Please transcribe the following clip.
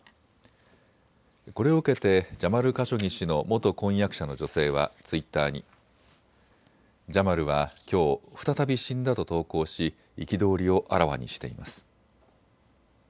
これを受けてジャマル・カショギ氏の元婚約者の女性はツイッターにジャマルはきょう再び死んだと投稿し憤りをあらわにしています。